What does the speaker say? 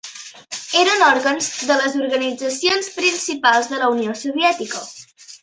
Eren òrgans de les organitzacions principals de la Unió Soviètica.